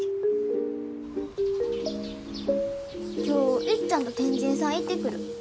今日いっちゃんと天神さん行ってくる。